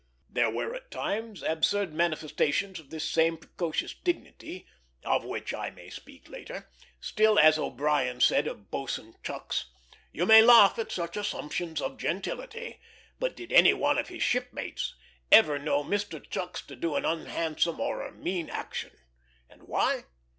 There were at times absurd manifestations of this same precocious dignity, of which I may speak later; still, as O'Brien said of Boatswain Chucks, "You may laugh at such assumptions of gentility, but did any one of his shipmates ever know Mr. Chucks to do an unhandsome or a mean action? and why?